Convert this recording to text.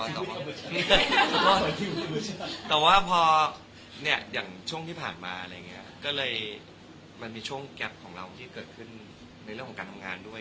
แต่ว่าพอเนี่ยอย่างช่วงที่ผ่านมาอะไรอย่างนี้ก็เลยมันมีช่วงแก๊ปของเราที่เกิดขึ้นในเรื่องของการทำงานด้วย